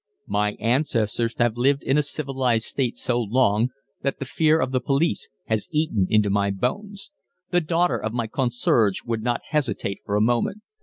"My ancestors have lived in a civilised state so long that the fear of the police has eaten into my bones. The daughter of my concierge would not hesitate for a moment.